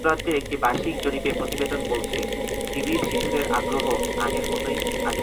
যুক্তরাজ্যের একটি বার্ষিক জরিপ প্রতিবেদন বলছে, টিভির প্রতি শিশুদের আগ্রহ আগের মতো নেই।